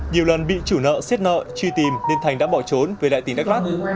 nhiều lần bị chủ nợ xét nợ truy tìm nên thành đã bỏ trốn về lại tỉnh đắk lắc